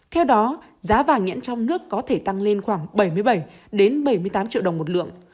theo đó giá vàng nhẫn trong nước có thể tăng lên khoảng bảy mươi bảy bảy mươi tám triệu đồng một lượng